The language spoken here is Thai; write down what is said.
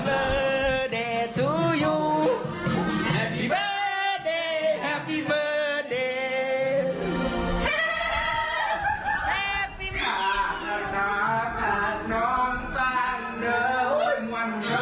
อาหารน้องปลานึงเหนอไปวันเหนอไม่อยากน่าเข้ากก